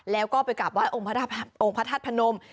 แล้วก็ไปกลับว่ายองค์พระธาตุพระนม